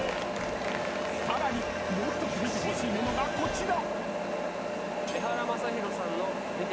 ［さらにもう１つ見てほしいものがこちら！］